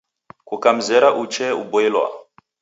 Kukamzera uchee uboilwa.